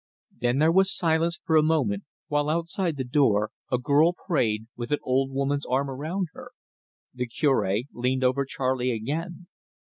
Then there was silence for a moment, while outside the door a girl prayed, with an old woman's arm around her. The Cure leaned over Charley again.